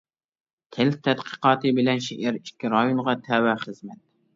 تىل تەتقىقاتى بىلەن شېئىر ئىككى رايونغا تەۋە خىزمەت.